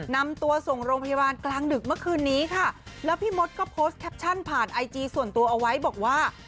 นำตัวส่งโรงพยาบาลกลางดึกเมื่อคืนนี้ค่ะแล้วพี่มดก็โพสต์แคปชั่นผ่านไอจีส่วนตัวเอาไว้บอกว่า